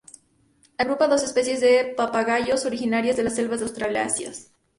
Agrupa a dos especies de papagayos originarias de las selvas de Australasia.